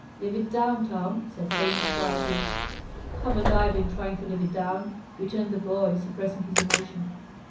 "Live it down, Tom," said Hamish quietly. "Haven't I been trying to live it down?" returned the boy, suppressing his emotion.